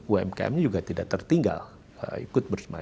umkm nya juga tidak tertinggal ikut bersemanga